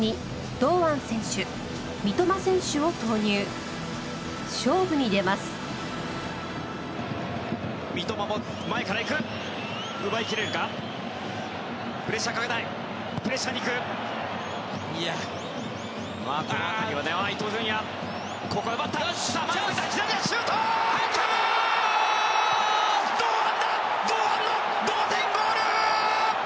堂安の同点ゴール！